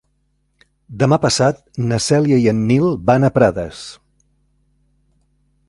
Demà passat na Cèlia i en Nil van a Prades.